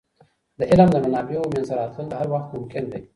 د علم د منابعو منځته راتلل هر وخت ممکن دی.